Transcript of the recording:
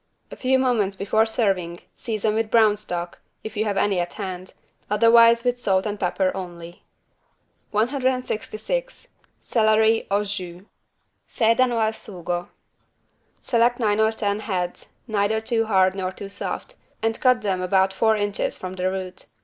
A few moments before serving season with brown stock, if you have any at hand, otherwise with salt and pepper only. 166 CELERY AU JUS (Sedano al sugo) Select nine or ten heads, neither too hard nor too soft, and cut them about four inches from the root.